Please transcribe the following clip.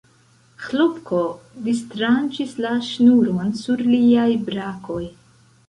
Ĥlopko distranĉis la ŝnuron sur liaj brakoj.